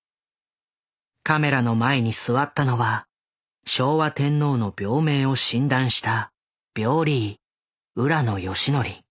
カメラの前に座ったのは昭和天皇の病名を診断した病理医浦野順文。